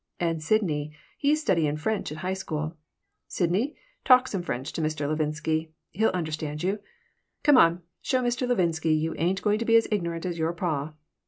"And Sidney he's studyin' French at high school. Sidney, talk some French to Mr. Levinsky. He'll understand you. Come on, show Mr. Levinsky you ain't going to be as ignorant as your pa."